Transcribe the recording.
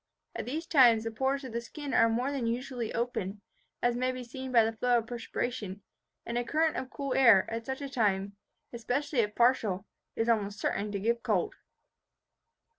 At these times the pores of the skin are more than usually open, as may be seen by the flow of perspiration; and a current of cool air, at such a time, especially if partial, is almost certain to give cold."